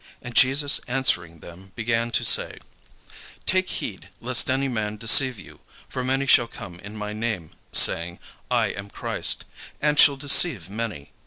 And Jesus answering them began to say: "Take heed lest any man deceive you: for many shall come in my name, saying, I am Christ; and shall deceive many.